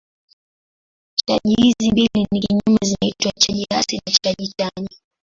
Chaji hizi mbili ni kinyume zinaitwa chaji hasi na chaji chanya.